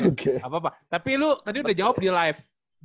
nggak apa apa tapi lu tadi udah jawab di live